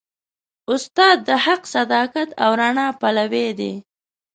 استاد د حق، صداقت او رڼا پلوي دی.